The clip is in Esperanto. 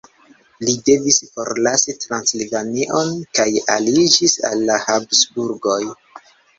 Li devis forlasi Transilvanion kaj aliĝis al la Habsburgoj.